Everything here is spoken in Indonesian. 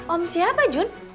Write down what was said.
om siapa jun